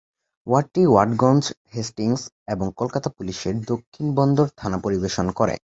ওয়ার্ডটি Watganj, Hastings এবং কলকাতা পুলিশের দক্ষিণ বন্দর থানা পরিবেশন করে।